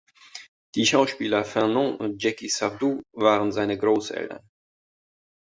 Die Schauspieler Fernand und Jackie Sardou waren seine Großeltern.